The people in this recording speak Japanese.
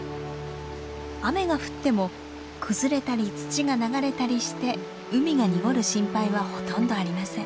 雨が降っても崩れたり土が流れたりして海が濁る心配はほとんどありません。